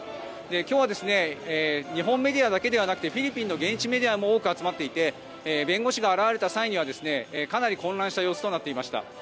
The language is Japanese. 今日は日本メディアだけではなくフィリピンの現地メディアも多く集まっていて弁護士が現れた際にはかなり混乱した様子となっていました。